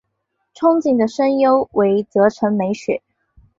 憧憬的声优为泽城美雪。